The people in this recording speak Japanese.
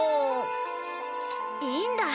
いいんだ。